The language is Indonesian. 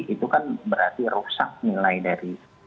itu kan berarti rusak nilai dari